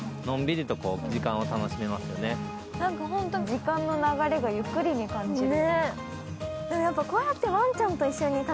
時間の流れがゆっくりに感じる。